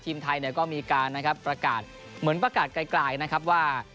ทีมไทยก็มีการนะครับประกาศเหมือนประกาศไกลนะครับว่า